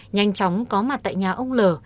nhanh chóng có mặt tại nhà ông l